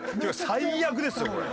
最悪ですよこれ。